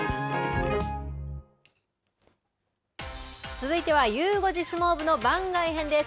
続いてはゆう５時相撲部の番外編です。